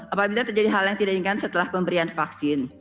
apabila terjadi hal yang tidak diinginkan setelah pemberian vaksin